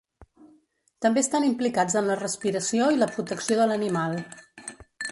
També estan implicats en la respiració i la protecció de l'animal.